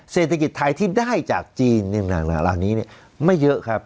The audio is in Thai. เศรษฐกิจไทยที่ได้จากจีนต่างเหล่านี้ไม่เยอะครับ